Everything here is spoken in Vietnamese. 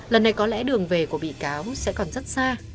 lần này có lẽ đường về của bị cáo sẽ còn rất xa